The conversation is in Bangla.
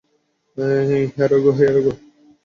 Here we go!